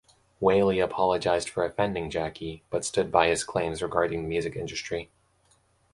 Whalley apologised for offending Jackie, but stood by his claims regarding the music industry.